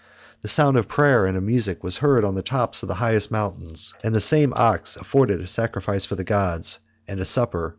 The sound of prayer and of music was heard on the tops of the highest mountains; and the same ox afforded a sacrifice for the gods, and a supper for their joyous votaries."